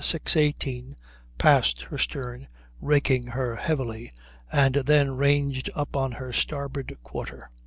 18 passed her stern, raking her heavily, and then ranged up on her starboard quarter.